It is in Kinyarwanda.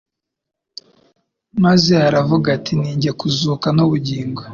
maze aravuga ati : «Ninjye kuzuka n'ubugingo.»